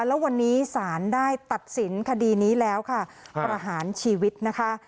แล้ววันนี้ศาลได้ตัดสินคดีนี้แล้วค่ะประหารชีวิตนะคะ